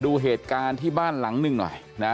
ดูเหตุการณ์ที่บ้านหลังหนึ่งหน่อยนะ